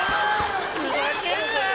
ふざけんなよ